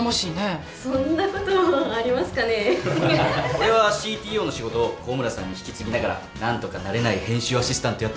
俺はＣＴＯの仕事を小村さんに引き継ぎながら何とか慣れない編集アシスタントやってます。